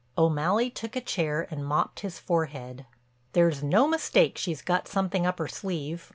O'Malley took a chair and mopped his forehead: "There's no mistake she's got something up her sleeve.